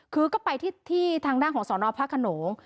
คือก็ไปที่ทางด้านของสอนอพระขนง